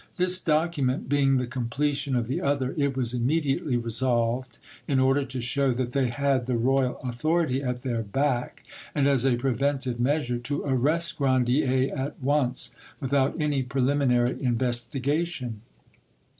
This document being the completion of the other, it was immediately resolved, in order to show that they had the royal authority at their back, and as a preventive measure, to arrest Grandier at once, without any preliminary investigation.